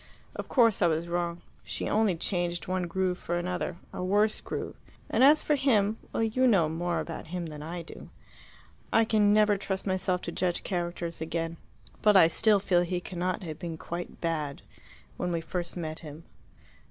Of course I was wrong. She only changed one groove for another a worse groove. And as for him well, you know more about him than I do. I can never trust myself to judge characters again. But I still feel he cannot have been quite bad when we first met him.